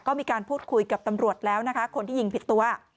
ก็มีการพูดคุยกับตำรวจแล้วนะคะคนที่ยิงผิดตัว